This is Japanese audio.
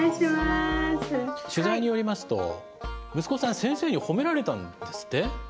取材によりますと息子さん先生に褒められたんですって？